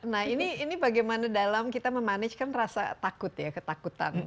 nah ini bagaimana dalam kita memanage kan rasa takut ya ketakutan